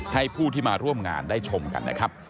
ให้ผู้ที่มาร่วมงานได้ชมกันนะครับ